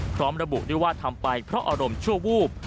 พร้อมระบุด้วยว่าทำไปเพราะอารมณ์ชั่ววูบ